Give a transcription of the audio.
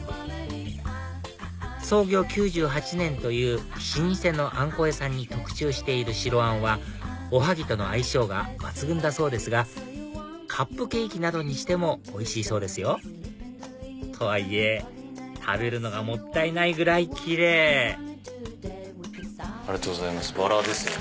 創業９８年という老舗のあんこ屋さんに特注している白あんはおはぎとの相性が抜群だそうですがカップケーキなどにしてもおいしいそうですよとはいえ食べるのがもったいないぐらいキレイバラですよね。